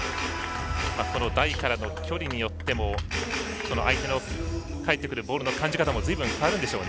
台からの距離によっても相手の返ってくるボールの感じ方もずいぶん変わるんでしょうね。